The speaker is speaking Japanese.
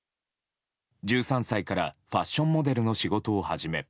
１３歳からファッションモデルの仕事を始め